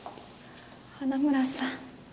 花村さん。